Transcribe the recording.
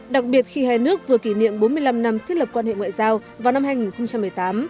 đặc biệt khi hai nước vừa kỷ niệm bốn mươi năm năm thiết lập quan hệ ngoại giao vào năm hai nghìn một mươi tám